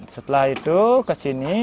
setelah itu ke sini